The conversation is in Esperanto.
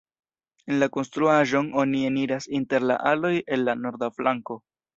En la konstruaĵon oni eniras inter la aloj el la norda flanko.